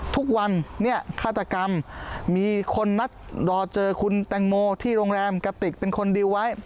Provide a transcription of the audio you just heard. ทุกวันเนี่ยฆาตกรรมมีคนนัดรอเจอคุณแตงโมที่โรงแรมกติกเป็นคนดิวไว้